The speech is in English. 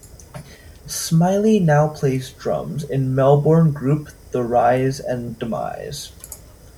Smiley now plays drums in Melbourne group The Rise and Demise.